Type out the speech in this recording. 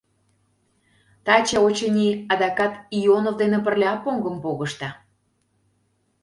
Таче, очыни, адакат Ионов дене пырля поҥгым погышда?